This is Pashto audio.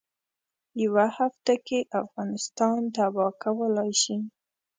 یوه هفته کې افغانستان تباه کولای شي.